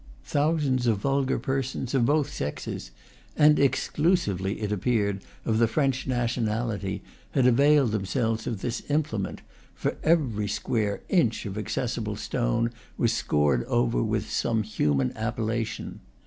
Thousands of vulgar persons, of both sexes, and exclusively, it appeared, of the French nationality, had availed themselves of this implement; for every square inch of accessible stone was scored over with some human appellation.